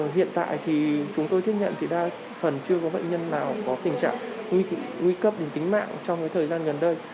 hiện tại thì chúng tôi tiếp nhận thì đa phần chưa có bệnh nhân nào có tình trạng nguy cấp đến tính mạng trong thời gian gần đây